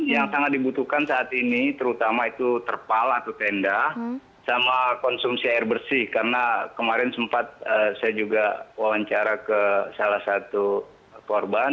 yang sangat dibutuhkan saat ini terutama itu terpal atau tenda sama konsumsi air bersih karena kemarin sempat saya juga wawancara ke salah satu korban